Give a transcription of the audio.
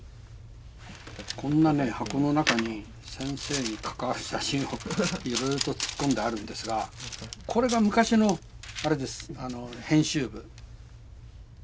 こんなね箱の中に先生にかかわる写真をいろいろと突っ込んであるんですがこれが昔のあれです編集部。